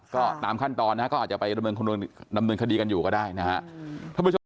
ก็ตามขั้นตอนนะฮะก็อาจจะไปดำเนินคดีกันอยู่ก็ได้นะฮะ